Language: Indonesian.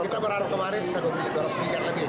kita berharap kemarin rp dua dua ratus miliar lagi